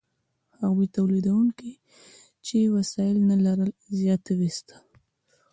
هغو تولیدونکو چې وسایل نه لرل زیار ویسته.